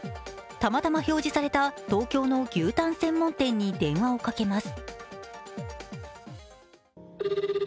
たまたま表示された東京の牛たん専門店に電話をかけます。